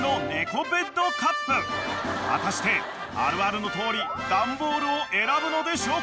果たしてあるあるのとおりダンボールを選ぶのでしょうか？